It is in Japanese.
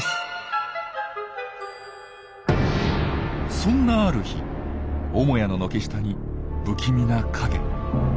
そんなある日母屋の軒下に不気味な影。